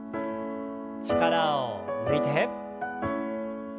力を抜いて。